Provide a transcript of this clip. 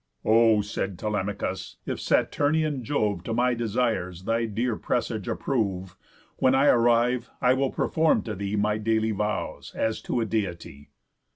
"O," said Telemachus, "if Saturnian Jove To my desires thy dear presage approve, When I arrive, I will perform to thee My daily vows, as to a Deity."